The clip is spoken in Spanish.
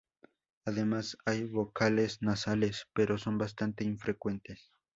Además, hay vocales nasales, pero son bastante infrecuentes.